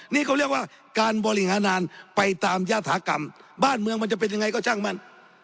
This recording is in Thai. นี่เขาเรียกว่าการบริหารงานไปตามยาฐากรรมบ้านเมืองมันจะเป็นยังไงก็ช่างมั่น